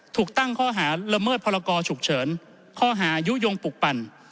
ถูกตั้งข้อหาละเมิดพรกรฉุกเฉินข้อหายุโยงปลูกปั่น